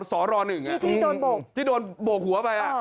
ที่โดนโบกที่โดนโบกหัวไป